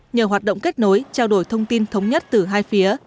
nhờ hoạt động kết nối trao đổi thông tin thống nhất từ hai phía